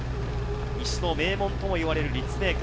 西の名門とも言われる立命館。